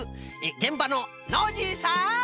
げんばのノージーさん！